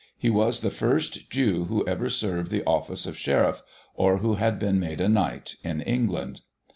He was the first Jew who ever served the office of Sheriff, or who had been made a Knight, in England.